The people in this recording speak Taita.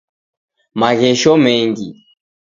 Maghesho mengi